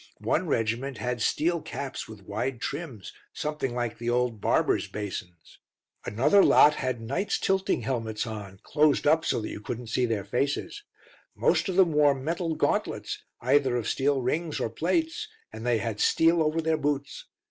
One regiment had steel caps with wide trims, something like the old barbers' basins. Another lot had knights' tilting helmets on, closed up so that you couldn't see their faces. Most of them wore metal gauntlets, either of steel rings or plates, and they had steel over their boots.